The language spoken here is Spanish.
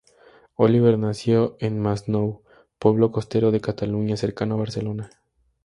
Oliver nació en Masnou, pueblo costero de Cataluña cercano a Barcelona.